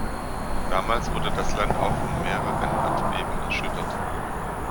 Damals wurde das Land auch von mehreren Erdbeben erschüttert.